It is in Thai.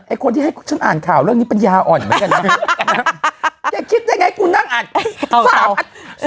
คนที่ให้ฉันอ่านข่าวเรื่องนี้ปัญญาอ่อนเหมือนกันนะจะคิดได้ไงกูนั่งอ่านข่าว